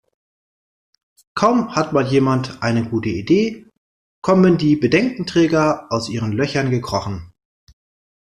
Kaum hat mal jemand eine gute Idee, kommen die Bedenkenträger aus ihren Löchern gekrochen.